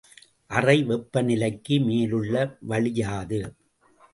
அறை வெப்பநிலைக்கு மேலுள்ள வளி யாது?